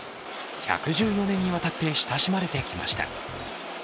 １１４年にわたって親しまれてきました。